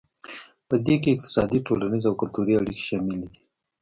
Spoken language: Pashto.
پدې کې اقتصادي ټولنیز او کلتوري اړیکې شاملې دي